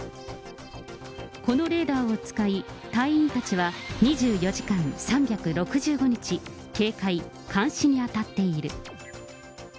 このレーダーを使い、隊員たちは２４時間３６５日、警戒、監視に当たっている。